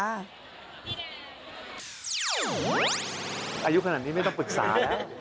อายุขนาดนี้ไม่ต้องปรึกษาแล้ว